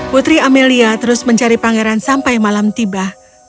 putri amelia terus mencari pangeran sampai malam tiba